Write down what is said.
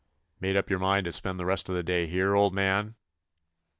''Made up your mind to spend the rest of the day here, old man'?"